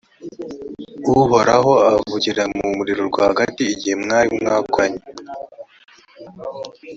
uhoraho avugira mu muriro rwagati, igihe mwari mwakoranye.